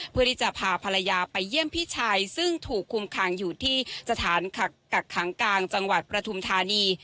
เพื่อที่จะพาภรรยาไปเยี่ยมพี่ชายซึ่งถูกคุมคางอยู่ที่สถานกักขังกลางจังหวัดประทุมธานี